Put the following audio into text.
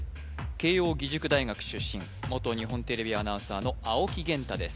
慶應義塾大学出身元日本テレビアナウンサーの青木源太です